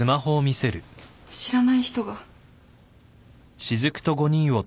知らない人が。